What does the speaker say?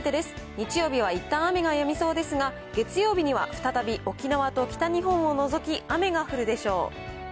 日曜日はいったん雨がやみそうですが、月曜日には再び沖縄と北日本を除き雨が降るでしょう。